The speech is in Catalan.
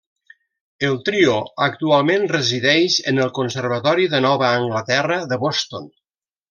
El trio actualment resideix en el Conservatori de Nova Anglaterra de Boston.